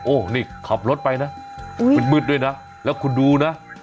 โอ้โหนี่ขับรถไปนะมืดด้วยนะแล้วคุณดูนะ